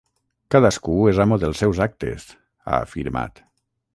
“Cadascú és amo dels seus actes”, ha afirmat.